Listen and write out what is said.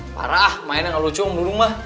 parah main gak lucu om dudung mah